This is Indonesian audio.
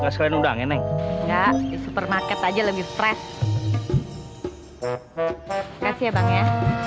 supermarket aja lebih fresh kasih ya bang ya